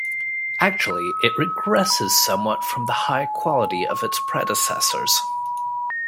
Actually, it regresses somewhat from the high quality of its predecessors.